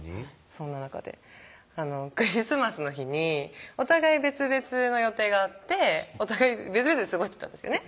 そんな中でクリスマスの日にお互い別々の予定があってお互い別々に過ごしてたんですよね